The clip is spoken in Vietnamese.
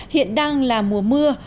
hiện đang là mùa mưa